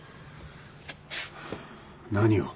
何を？